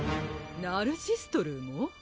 ナルシストルーも？